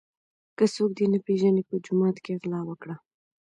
که څوک دي نه پیژني په جومات کي غلا وکړه.